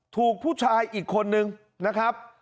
ถูกผู้ชายอีกคนนึงนะครับ